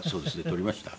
撮りました。